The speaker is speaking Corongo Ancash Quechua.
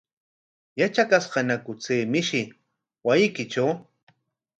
¿Yatrakashqañaku chay mishi wasiykitraw?